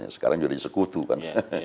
sekarang juga ada sekutu kan